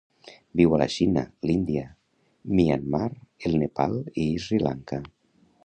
Viu a la Xina, l'Índia, Myanmar, el Nepal i Sri Lanka.